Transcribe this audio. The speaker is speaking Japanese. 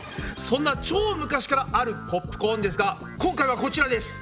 そんな超昔からあるポップコーンですが今回はこちらです。